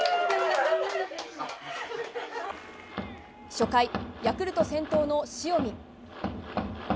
初回、ヤクルト先頭の塩見。